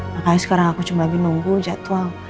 makanya sekarang aku cuma lagi nunggu jadwal